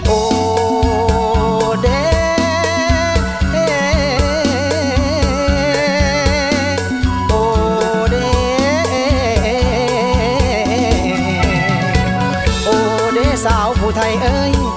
โอเดโอเดโอเดสาวผู้ไทยเอ๊ย